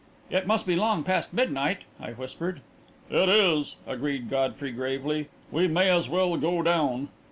"It must be long past midnight," I whispered. "It is," agreed Godfrey gravely; "we may as well go down."